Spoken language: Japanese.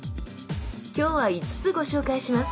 今日は５つご紹介します。